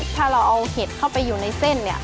ถ้าเราเอาเห็ดเข้าไปอยู่ในเส้นเนี่ย